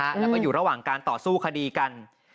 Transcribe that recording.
แล้วก็อยู่ระหว่างการต่อสู้คดีกัน